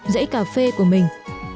rễ cà phê của mình